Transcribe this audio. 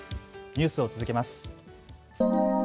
ニュースを続けます。